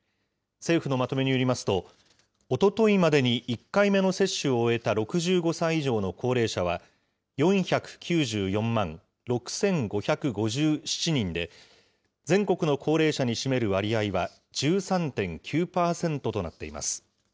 政府のまとめによりますと、おとといまでに１回目の接種を終えた６５歳以上の高齢者は、４９４万６５５７人で、全国の高齢者に占める割合は、１３．９％となっています。